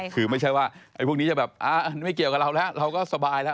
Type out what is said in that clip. คือไม่ใช่ว่าไอ้พวกนี้จะแบบไม่เกี่ยวกับเราแล้วเราก็สบายแล้ว